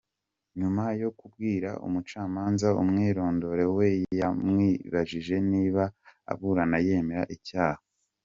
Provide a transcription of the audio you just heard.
Nyuma yo kubwira umucamanza umwirondore we yamubajije niba aburana yemera icyaha.